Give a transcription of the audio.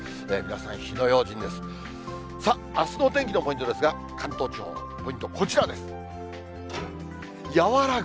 さあ、あすのお天気のポイントですが、関東地方のポイント、こちらです。